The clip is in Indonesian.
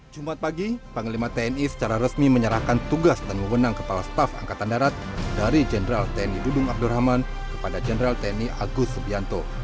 jumat pagi panglima tni secara resmi menyerahkan tugas dan mewenang kepala staf angkatan darat dari jenderal tni dudung abdurrahman kepada jenderal tni agus subianto